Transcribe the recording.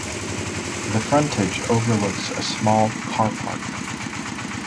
The frontage overlooks a small car park.